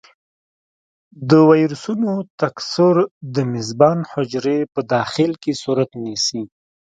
د ویروسونو تکثر د میزبان حجرې په داخل کې صورت نیسي.